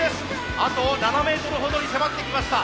あと７メートルほどに迫ってきました。